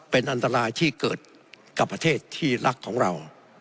เป็นอันตรายที่เกิดกับประเทศที่รักของเรา